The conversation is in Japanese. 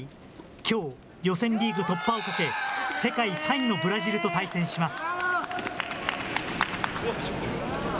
きょう、予選リーグ突破をかけ、世界３位のブラジルと対戦します。